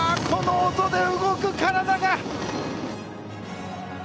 この音で動く、体が。